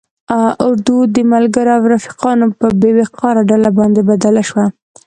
اردو د ملګرو او رفیقانو په بې وقاره ډله باندې بدل شوه.